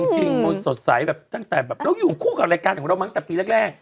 จริงมันสดใสแบบตั้งแต่แบบเราอยู่คู่กับรายการของเรามาตั้งแต่ปีแรก